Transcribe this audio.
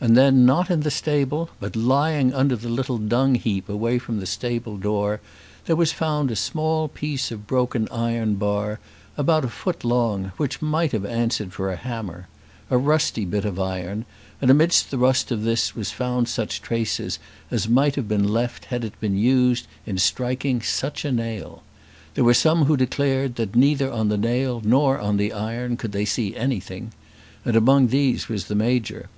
And then not in the stable, but lying under the little dung heap away from the stable door, there was found a small piece of broken iron bar, about a foot long, which might have answered for a hammer, a rusty bit of iron; and amidst the rust of this was found such traces as might have been left had it been used in striking such a nail. There were some who declared that neither on the nail nor on the iron could they see anything. And among these was the Major.